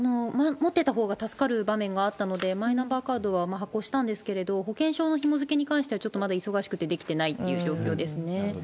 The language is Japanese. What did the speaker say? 持ってたほうが助かる場面があったので、マイナンバーカードは発行したんですけれども、保険証のひも付けに関してはちょっとまだ忙しくてできてないってなるほど。